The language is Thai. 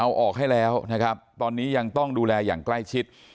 เอาออกให้แล้วนะครับตอนนี้ยังต้องดูแลอย่างใกล้ชิด